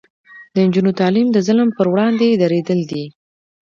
د نجونو تعلیم د ظلم پر وړاندې دریدل دي.